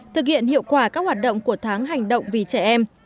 thực hiện hiệu quả các hoạt động của tháng hành động vì trẻ em